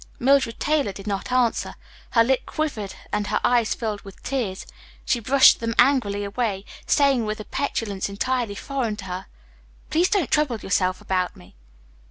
Mildred Taylor did not answer. Her lip quivered and her eyes filled with tears. She brushed them angrily away, saying with a petulance entirely foreign to her, "Please don't trouble yourself about me."